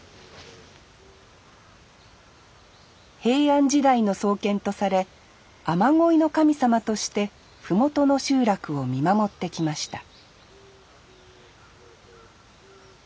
平安時代の創建とされ雨乞いの神様として麓の集落を見守ってきました